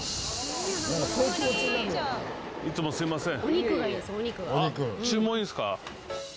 いつもすみません。